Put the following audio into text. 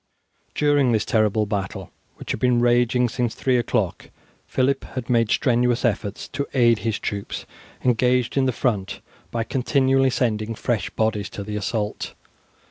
During this terrible battle, which had been raging since three o'clock, Phillip had made strenuous efforts to aid his troops engaged in the front by continually sending fresh bodies to the assault.